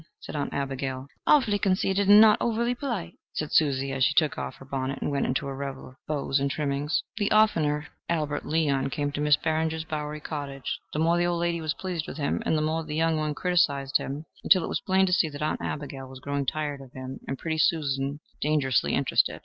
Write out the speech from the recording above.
said Aunt Abigail. "Awful conceited and not overly polite," said Susie as she took off her bonnet and went into a revel of bows and trimmings. The oftener Albert Leon came to Mrs. Barringer's bowery cottage, the more the old lady was pleased with him and the more the young one criticised him, until it was plain to be seen that Aunt Abigail was growing tired of him and pretty Susan dangerously interested.